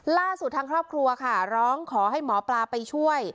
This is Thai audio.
ล่าสุดทางครอบครัวค่ะร้องขอให้หมอปลาไปช่วย